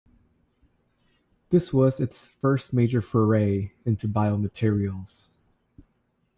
This was its first major foray into bio-materials.